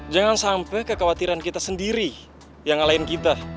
jangan sampai kekhawatiran kita sendiri yang ngalain kita